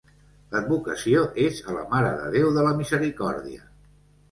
L'advocació és a la Mare de Déu de la Misericòrdia.